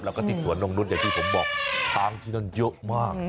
แล้วก็ติดส่วนลงรถอย่างที่ผมบอกช้างที่นั่นเยอะมาก